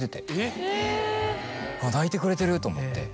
うわ泣いてくれてると思って。